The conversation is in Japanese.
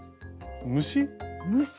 虫？